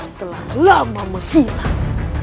yang telah lama menghilang